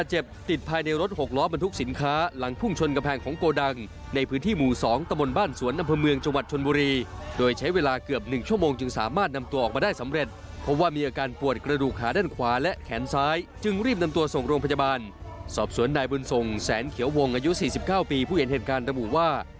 เชียววงอายุ๔๙ปีผู้เห็นเหตุการณ์รับหมู่ว่า